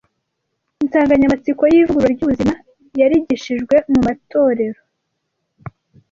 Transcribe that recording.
Insanganyamatsiko y’ivugurura ry’ubuzima yarigishijwe mu matorero